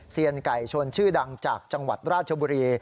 ไก่ชนชื่อดังจากจังหวัดราชบุรี